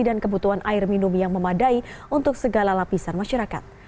dan kebutuhan air minum yang memadai untuk segala lapisan masyarakat